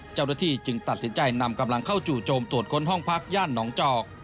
เจ้าหน้าที่จึงตัดสินใจนำกำลังเข้าจู่โจมตรวจค้นห้องพักย่านหนองจอก